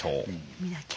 見なきゃ。